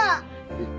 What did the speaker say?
えっ。